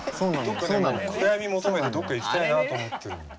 どっかね暗闇求めてどっか行きたいなと思ってるの。